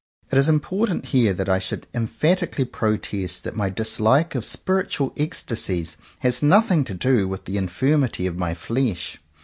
It is important here that I should em phatically protest that my dislike of spirit ual ecstasies has nothing to do with the infirmity of my flesh.